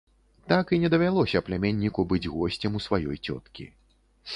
Так і не давялося пляменніку быць госцем у сваёй цёткі.